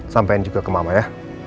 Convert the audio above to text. sampaikan juga ke mama ya